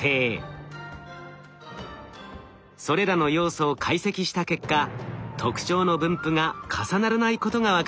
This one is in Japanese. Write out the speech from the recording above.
それらの要素を解析した結果特徴の分布が重ならないことが分かり